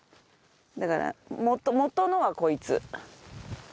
だから、もとのは、こいつ。